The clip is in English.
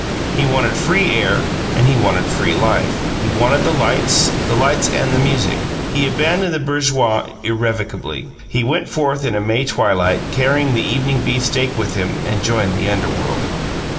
He wanted free air and he wanted free life; he wanted the lights, the lights and the music. He abandoned the bourgeoise irrevocably. He went forth in a May twilight, carrying the evening beefsteak with him, and joined the underworld.